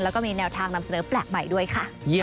แล้วก็มีแนวทางนำเสนอแปลกใหม่ด้วยค่ะ